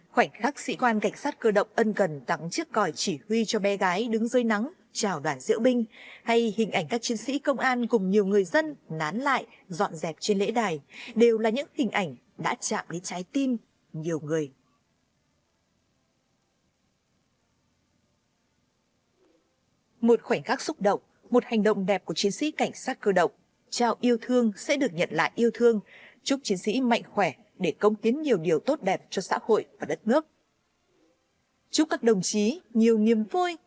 khoảnh khắc sĩ quan cảnh sát cơ động ân cần tắng chiếc còi chỉ huy cho bé gái đứng dưới nắng chào đoàn diễu binh hay hình ảnh các chiến sĩ công an cùng nhiều người dân nán lại dọn dẹp trên lễ đài đều là những hình ảnh đã chạm đến trái tim